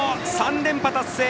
３連覇達成！